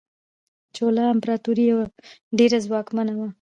چولا امپراتوري ډیره ځواکمنه وه.